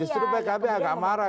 justru pkb enggak marah